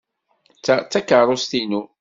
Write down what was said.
Ta d takeṛṛust-inu.